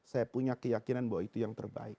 saya punya keyakinan bahwa itu yang terbaik